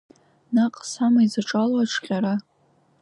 Наҟ сама изаҿалои аҽҟьара?